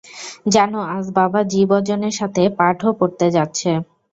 জানো আজ বাবা জি বজনের সাথে পাঠ ও পড়তে যাচ্ছে।